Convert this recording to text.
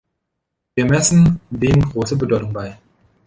Wir messen dem große Bedeutung bei.